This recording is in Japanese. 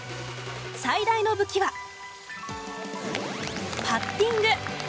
最大の武器はパッティング。